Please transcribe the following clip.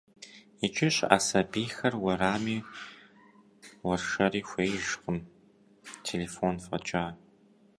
Иджы щыӏэ сабийхэр уэрами уэршэри хуеижкъым, телефон фӏэкӏа.